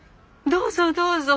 どうぞどうぞ！